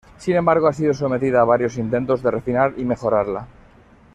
Sin embargo, ha sido sometida a varios intentos de refinar y mejorarla.